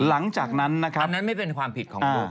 หลังจากนั้นนะครับอันนั้นไม่เป็นความผิดของครู